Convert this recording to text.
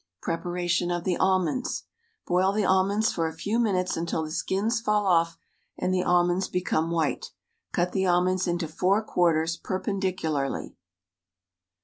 Preparation of the almonds: Boil the almonds for a few minutes until the skins fall off and the almonds be come white. Cut the almonds into four quarters perpen dicularly.